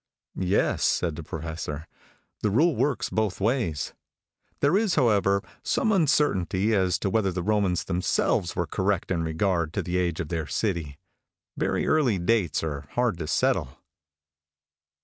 "Yes," said the Professor; "the rule works both ways. There is, however, some uncertainty as to whether the Romans themselves were correct in regard to the age of their city. Very early dates are hard to settle."